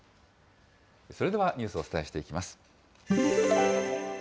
それではニュースをお伝えしていきます。